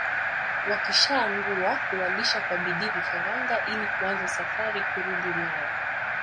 Wakishaangua huwalisha kwa bidii vifaranga ili kuanza safari kurudi Ulaya